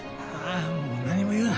もう何も言うな。